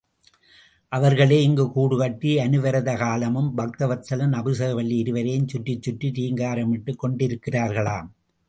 அவர்களே இங்குக் கூடு கட்டி அனுவரதகாலமும் பக்தவத்சலன், அபிஷேக வல்லி இருவரையும் சுற்றி சுற்றி ரீங்காரமிட்டுக் கொண்டிருக்கிறார்களாம்.